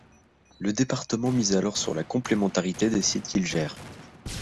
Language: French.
Le département mise alors sur la complémentarité des sites qu'il gère.